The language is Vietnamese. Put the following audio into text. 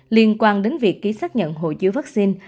liên quan đến việc ký xác nhận hồ chứa vaccine